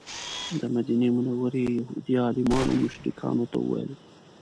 د مدینې منورې یهودي عالمانو مشرکانو ته وویل.